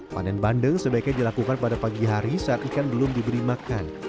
panen bandeng sebaiknya dilakukan pada pagi hari saat ikan belum diberi makan